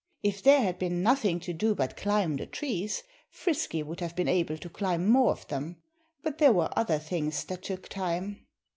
If there had been nothing to do but climb the trees Frisky would have been able to climb more of them. But there were other things that took time.